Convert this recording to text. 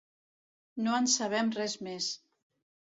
No en sabem res més.